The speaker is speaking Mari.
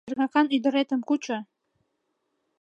Шергакан ӱдыретым кучо!